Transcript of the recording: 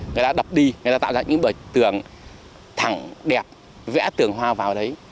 người ta đập đi người ta tạo ra những bờ tường thẳng đẹp vẽ tường hoa vào đấy